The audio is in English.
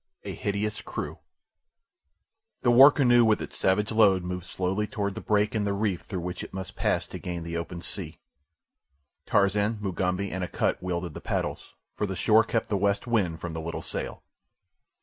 A Hideous Crew The war canoe with its savage load moved slowly toward the break in the reef through which it must pass to gain the open sea. Tarzan, Mugambi, and Akut wielded the paddles, for the shore kept the west wind from the little sail.